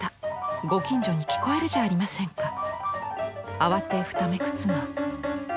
慌てふためく妻。